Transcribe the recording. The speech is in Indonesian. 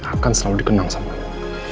akan selalu dikenang sama lo